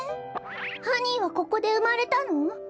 ハニーはここでうまれたの？